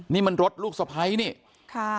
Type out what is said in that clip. นี่มันรถลูกสะไพร